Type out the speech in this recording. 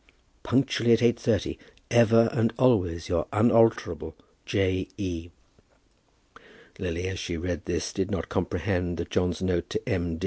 Punctually at 8.30. Ever and always your unalterable J. E." Lily, as she read this, did not comprehend that John's note to M.